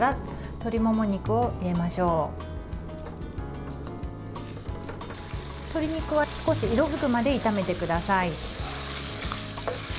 鶏肉は少し色づくまで炒めてください。